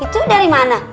itu dari mana